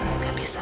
aku tidak bisa